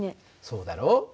そうだろう。